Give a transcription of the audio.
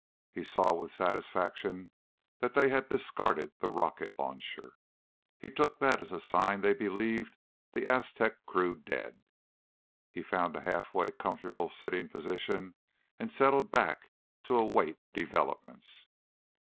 He saw with satisfaction that they had discarded the rocket launcher. He took that as a sign they believed the Aztec crew dead. He found a halfway comfortable sitting position, and settled back to await developments.